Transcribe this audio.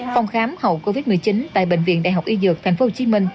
phòng khám hậu covid một mươi chín tại bệnh viện đại học y dược tp hcm